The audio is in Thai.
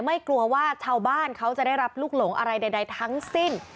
กลัวว่าชาวบ้านเขาจะได้รับลูกหลงอะไรใดทั้งสิ้น